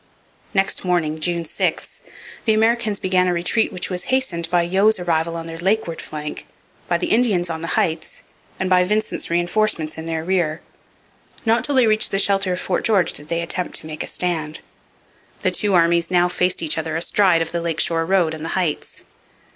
Next morning, June 6, the Americans began a retreat which was hastened by Yeo's arrival on their lakeward flank, by the Indians on the Heights, and by Vincent's reinforcements in their rear. Not till they reached the shelter of Fort George did they attempt to make a stand. The two armies now faced each other astride of the lake shore road and the Heights.